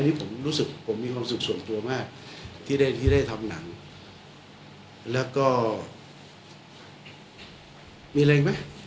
อันนี้ผมรู้สึกผมมีความสุขส่วนตัวมากที่ได้ที่ได้ทำหนังแล้วก็มีอะไรอีกไหม